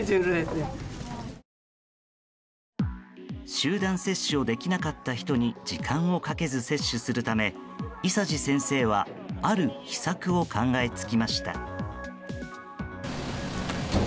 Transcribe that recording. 集団接種をできなかった人に時間をかけず接種するため、伊佐治先生はある秘策を考えつきました。